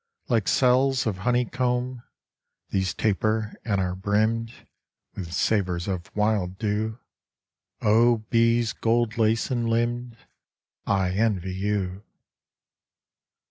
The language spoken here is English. Like cells of honey comb These taper and are brimmed With savors of wild dew. Oh, bees gold laced and limbed, I envy you!